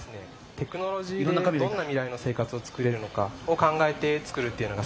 テクノロジーでどんな未来の生活を作れるのかを考えて作るっていうのが好きで。